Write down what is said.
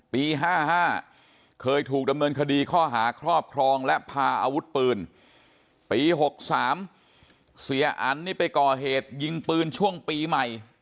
ปี๕๕เคยถูกดำเนินคดีข้อหาครอบครองและพาอาวุธปืนปี๖๓เสียอันนี่ไปก่อเหตุยิงปืนช่วงปีใหม่